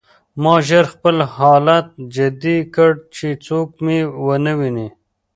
ما ژر خپل حالت جدي کړ چې څوک مې ونه ویني